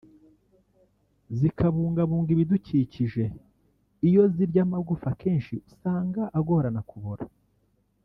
zikabungabunga ibidukikije iyo zirya amagufa akenshi usanga agorana kubora